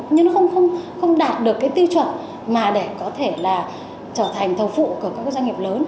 nhưng nó không đạt được tiêu chuẩn để có thể trở thành thầu phụ của các doanh nghiệp lớn